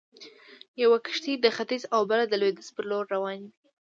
يوه کښتۍ د ختيځ او بله د لويديځ پر لور روانوي.